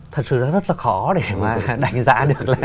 thật sự rất là khó để mà đánh giá được